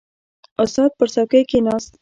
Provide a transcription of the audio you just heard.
• استاد پر څوکۍ کښېناست.